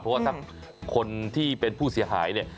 เพราะว่าถ้าคนที่เป็นผู้เสียหายเนี่ย